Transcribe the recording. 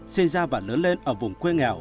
sinh ra và lớn lên ở vùng quê nghèo